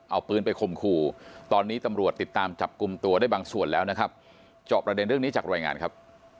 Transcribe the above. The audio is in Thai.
เอาปืนไปข่มขู่ตอนนี้ตำรวจติดตามจับกลุ่มตัวได้บางส่วนแล้วนะครับจอบประเด็นเรื่องนี้จากรายงานครับ